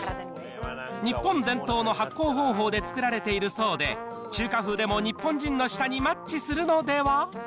日本伝統の発酵方法で作られているそうで、中華風でも日本人の舌にマッチするのでは。